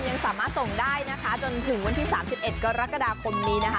ยังสามารถส่งได้นะคะจนถึงวันที่๓๑กรกฎาคมนี้นะคะ